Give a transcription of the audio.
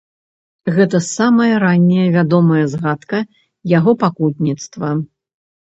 Гэта самая ранняя вядомая згадка яго пакутніцтва.